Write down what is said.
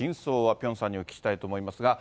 ピョンさんにお聞きしたいと思いますが。